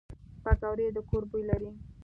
پکورې د کور بوی لري